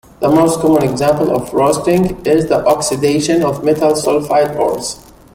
The most common example of roasting is the oxidation of metal sulfide ores.